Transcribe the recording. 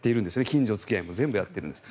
近所付き合いも全部やるんです。